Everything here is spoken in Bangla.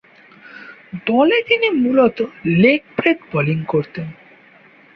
দলে তিনি মূলতঃ লেগ ব্রেক বোলিং করতেন।